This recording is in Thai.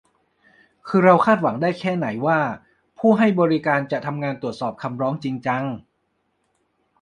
คือเราคาดหวังได้แค่ไหนว่าผู้ให้บริการจะทำงานตรวจสอบคำร้องจริงจัง